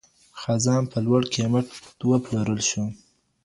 خران په لوړ قیمت وپلورل شول.